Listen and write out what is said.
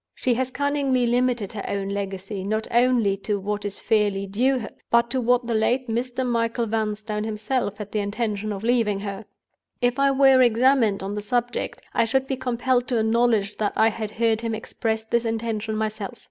She has cunningly limited her own legacy, not only to what is fairly due her, but to what the late Mr. Michael Vanstone himself had the intention of leaving her. If I were examined on the subject, I should be compelled to acknowledge that I had heard him express this intention myself.